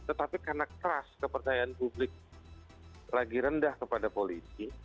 tetapi karena trust kepercayaan publik lagi rendah kepada polisi